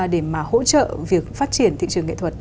để mà hỗ trợ việc phát triển thị trường nghệ thuật